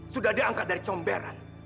sudah diangkat dari comberan